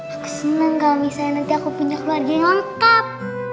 aku seneng gak misalnya nanti aku punya keluarga yang lengkap